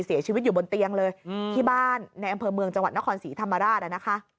เสียชีวิตอยู่บนเตียงเลยที่บ้านในอำเภอเมืองจังหวัดนครศรีธรรมราชนะคะ